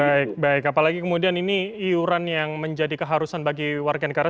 baik baik apalagi kemudian ini iuran yang menjadi keharusan bagi warga negara